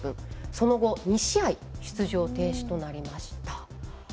その後、２試合出場停止となりました。